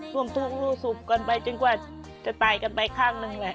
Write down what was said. ร่วมทุกข์ร่วมสุขกันไปจนกว่าจะตายกันไปข้างหนึ่งแหละ